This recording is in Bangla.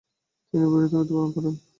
তিনি বৈরুতে মৃত্যুবরণ করেন।